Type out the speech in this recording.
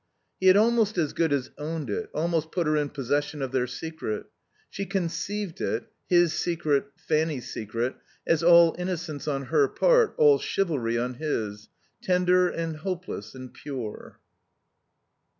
He had almost as good as owned it, almost put her in possession of their secret. She conceived it his secret, Fanny's secret as all innocence on her part, all chivalry on his; tender and hopeless and pure.